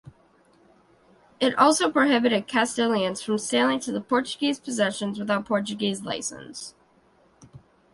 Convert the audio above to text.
It also prohibited Castilians from sailing to the Portuguese possessions without Portuguese licence.